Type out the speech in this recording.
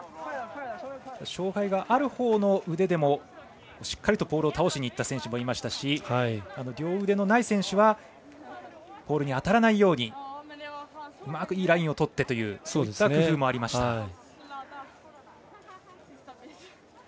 障がいがあるほうの腕でもしっかりとポールを倒しにいった選手もいましたし両腕のない選手はポールに当たらないようにうまくいいラインをとってという工夫もありました。